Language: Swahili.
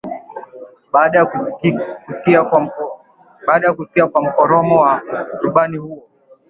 baada ya kusikia kwa mkoromo wa rubani huyo